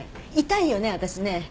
痛いよね私ね。